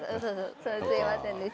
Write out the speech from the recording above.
すいませんでした。